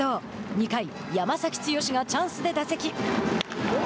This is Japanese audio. ２回、山崎剛がチャンスで打席。